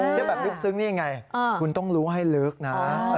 เที่ยวแบบลึกซึ้งนี่ไงคุณต้องรู้ให้ลึกนะ